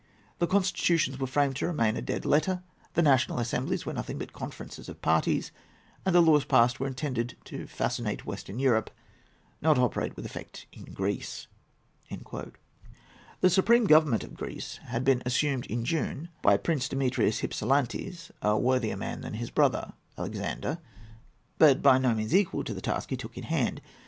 The constitutions were framed to remain a dead letter. The national assemblies were nothing but conferences of parties, and the laws passed were intended to fascinate Western Europe, not to operate with effect in Greece."[A] [Footnote A: Finlay, vol. i., pp. 280, 281.] The supreme government of Greece had been assumed in June by Prince Demetrius Hypsilantes, a worthier man than his brother Alexander, but by no means equal to the task he took in hand.